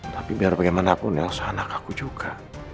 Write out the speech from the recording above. tapi biar bagaimanapun elsa anak aku juga